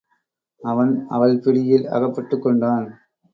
அவன் அவள் பிடியில் அகப்பட்டுக் கொண்டான்.